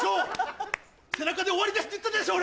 背中で「終わりです」って言ったでしょ？